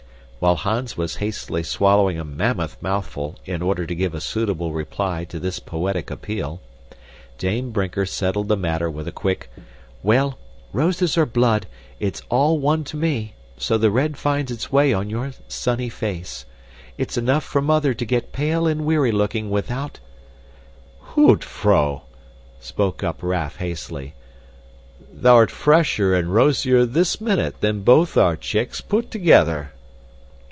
While Hans was hastily swallowing a mammoth mouthful in order to give a suitable reply to this poetic appeal, Dame Brinker settled the matter with a quick, "Well, roses or blood, it's all one to me, so the red finds its way on your sunny face. It's enough for mother to get pale and weary looking without " "Hoot, vrouw," spoke up Raff hastily, "thou'rt fresher and rosier this minute than both our chicks put together."